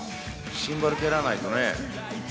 シンバル、蹴らないとね。